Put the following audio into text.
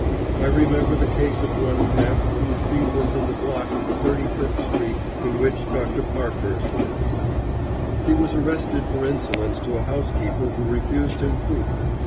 I remember the case of one tramp whose beat was in the block in Thirty fifth Street in which Dr. Parkhurst lives. He was arrested for insolence to a housekeeper who refused him food.